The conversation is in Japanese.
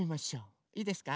いいですか？